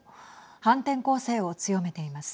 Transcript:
反転攻勢を強めています。